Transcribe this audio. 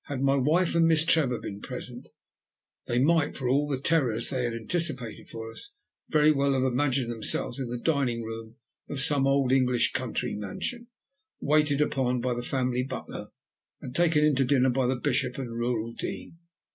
Had my wife and Miss Trevor been present, they might, for all the terrors they had anticipated for us, very well have imagined themselves in the dining room of some old English country mansion, waited upon by the family butler, and taken in to dinner by the Bishop and Rural Dean.